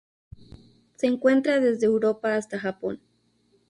Se encuentra desde Europa hasta Japón.